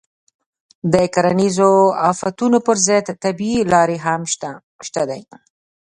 د کرنیزو آفتونو پر ضد طبیعي لارې هم شته دي.